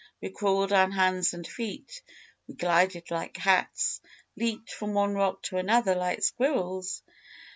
We crawled on hands and feet, we glided like cats, leaped from one rock to another like squirrels.